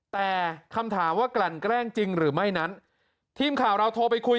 แต่คำถามว่ากลั่นแกล้งจริงหรือไม่นั้นทีมข่าวเราโทรไปคุย